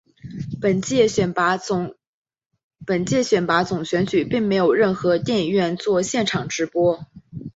本届选拔总选举并没有任何电影院作现场直播。